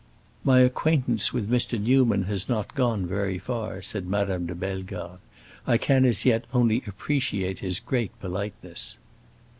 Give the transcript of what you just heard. "My acquaintance with Mr. Newman has not gone very far," said Madame de Bellegarde. "I can as yet only appreciate his great politeness."